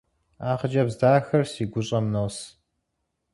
А хъыджэбз дахэр си гущӏэм нос.